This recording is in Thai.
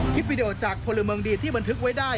คลิปวิดีโอจากพลเมืองดีที่บันทึกไว้ได้